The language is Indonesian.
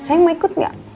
sayang mau ikut gak